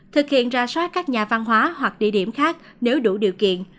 thực hiện ra soát các nhà văn hóa hoặc địa điểm khác nếu đủ điều kiện